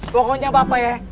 pokoknya bapak ya